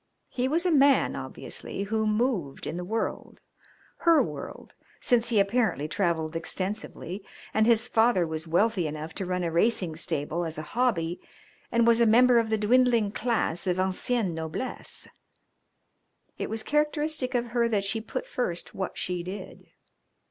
He was a man, obviously, who moved in the world, her world, since he apparently travelled extensively and his father was wealthy enough to run a racing stable as a hobby and was a member of the dwindling class of ancienne noblesse. It was characteristic of her that she put first what she did.